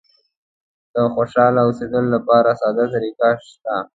د خوشاله اوسېدلو لپاره ساده طریقه شته.